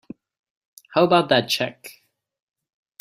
How about that check?